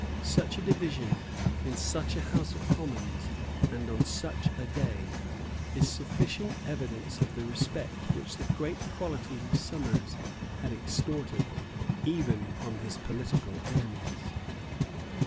Such a division, in such a House of Commons, and on such a day, is sufficient evidence of the respect which the great qualities of Somers had extorted even from his political enemies.